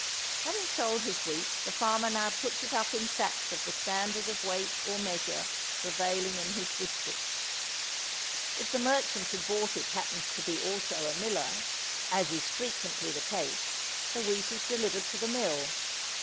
Having sold his wheat the farmer now puts it up in sacks of the standard of weight or measure prevailing in his district. If the merchant who bought it happens to be also a miller, as is frequently the case, the wheat is delivered to the mill.